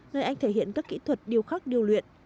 nơi anh thể hiện các kỹ thuật điều khắc điêu luyện